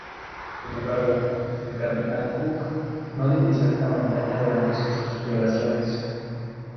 Sin embargo, el capitán Cook no divisó esta montaña durante sus exploraciones.